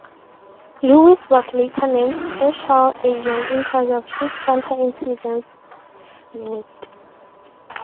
Lewis was later named special agent in charge of his counterintelligence unit.